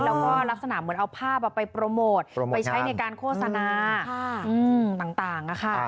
แล้วก็ลักษณะเหมือนเอาภาพไปโปรโมทไปใช้ในการโฆษณาต่างนะคะ